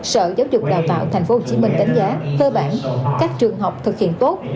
sở giáo dục đào tạo tp hcm đánh giá cơ bản các trường học thực hiện tốt